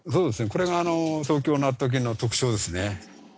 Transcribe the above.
これが東京納豆菌の特徴ですね。